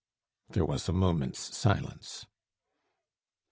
There was a moment's silence.